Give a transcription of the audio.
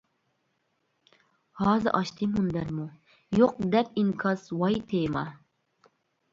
ھازا ئاچتى مۇنبەرمۇ، يوق دەپ ئىنكاس ۋاي تېما.